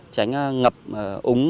tránh ngập úng